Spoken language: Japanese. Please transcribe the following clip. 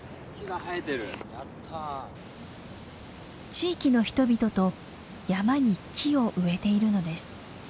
地域の人々と山に木を植えているのです。